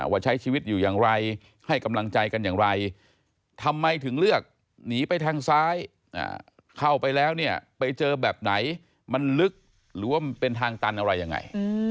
ว่าใช้ชีวิตอยู่อย่างไรให้กำลังใจกันอย่างไรทำไมถึงเลือกหนีไปทางซ้ายเข้าไปแล้วเนี่ยไปเจอแบบไหนมันลึกหรือว่ามันเป็นทางตันอะไรยังไง